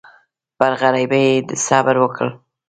پر غریبۍ یې صبر وکړ.